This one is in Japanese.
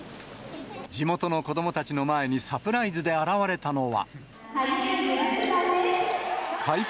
地元の子どもたちの前にサプライズで現れたのは。